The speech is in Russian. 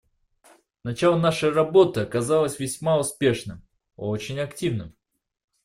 Начало нашей работы оказалось весьма успешным, очень активным.